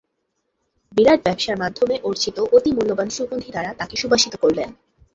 বিরাট ব্যবসার মাধ্যমে অর্জিত অতি মূল্যবান সুগন্ধি দ্বারা তাকে সুবাসিত করলেন।